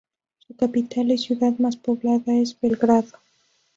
Su capital y ciudad más poblada es Belgrado.